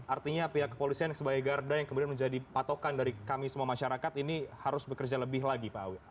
artinya pihak kepolisian sebagai garda yang kemudian menjadi patokan dari kami semua masyarakat ini harus bekerja lebih lagi pak awi